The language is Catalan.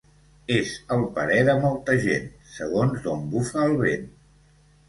És el parer de molta gent, segons d'on bufa el vent.